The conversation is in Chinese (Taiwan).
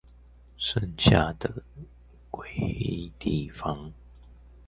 剩下的歸地方